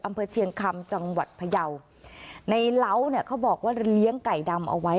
อำเภอเชียงคำจังหวัดพยาวในเหล้าเนี่ยเขาบอกว่าเลี้ยงไก่ดำเอาไว้